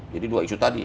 jadi dua isu tadi